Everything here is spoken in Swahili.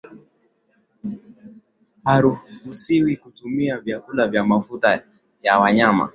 haruhusiwi kutumia vyakula vya mafuta ya wanyama